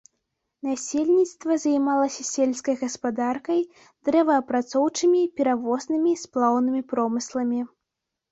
Насельніцтва займалася сельскай гаспадаркай, дрэваапрацоўчымі, перавознымі, сплаўнымі промысламі.